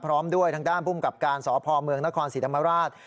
พร้อมด้วยทางด้านภูมิกับการสพเมืองนครศรีธรรมราช